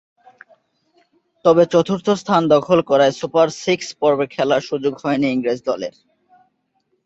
তবে চতুর্থ স্থান দখল করায় সুপার সিক্স পর্বে খেলার সুযোগ হয়নি ইংরেজ দলের।